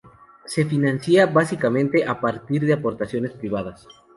Se financia, básicamente, a partir de aportaciones privadas.